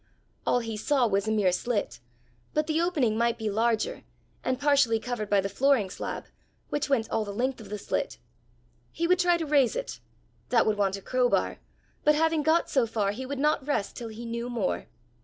All he saw was a mere slit, but the opening might be larger, and partially covered by the flooring slab, which went all the length of the slit! He would try to raise it! That would want a crowbar! but having got so far, he would not rest till he knew more!